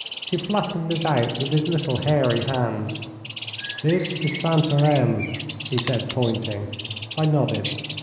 He flattened it out with his little, hairy hands. 'This is Santarem,' he said pointing. I nodded.